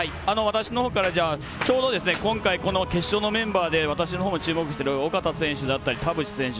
私のほうから今回、決勝のメンバーで私のほうも注目している小方選手、田渕選手